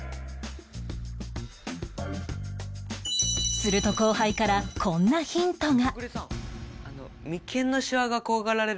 すると後輩からこんなヒントが